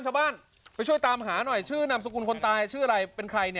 นำทุกคนช่วยตามหาหน่อยพูดไหน